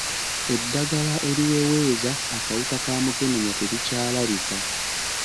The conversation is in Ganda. Eddagala eriweweeza akawuka kamukennya terikyalabika.